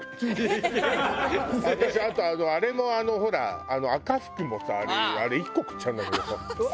私あとあれもあのほら赤福もさあれ１個食っちゃうんだけど。